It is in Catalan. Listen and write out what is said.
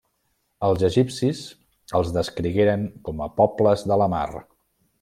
Els egipcis els descrigueren com a Pobles de la mar.